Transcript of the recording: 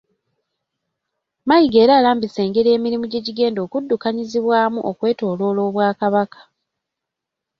Mayiga era alambise engeri emirimu gye gigenda okuddukanyizibwamu okwetooloola Obwakabaka.